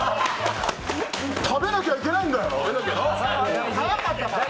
食べなきゃいけないんだよ。